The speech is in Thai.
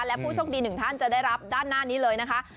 และผู้โชคดีหนึ่งท่านจะได้รับด้านหน้านี้เลยนะคะ